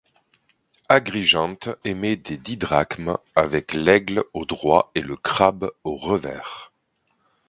Agrigente émet des didrachmes avec l'aigle au droit et le crabe au revers.